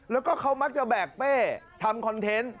แล้วก็เขามักจะแบกเป้ทำคอนเทนต์